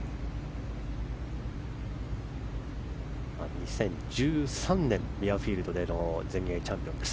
２０１３年ミュアフィールドでの全英チャンピオンです。